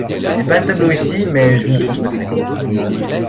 Je n’ai pas le tableau ici, mais je vous le transmettrai.